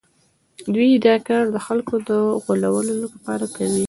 دوی دا کار د خلکو د غولولو لپاره کوي